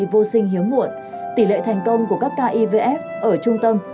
vô sinh hiếm muộn tỷ lệ thành công của các ca ivf ở trung tâm